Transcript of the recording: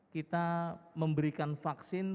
kita memberikan vaksin